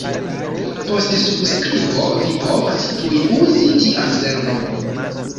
Post subskribo vi povas tuj uzi tian servon.